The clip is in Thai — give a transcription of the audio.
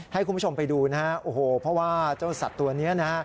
ให้คุณผู้ชมไปดูนะฮะโอ้โหเพราะว่าเจ้าสัตว์ตัวนี้นะฮะ